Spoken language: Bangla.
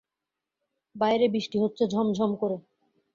বাইরে বৃষ্টি হচ্ছে ঝমঝম করে।